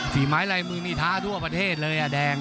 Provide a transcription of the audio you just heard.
ฝีไม้ลายมือนี่ท้าทั่วประเทศเลยอ่ะแดง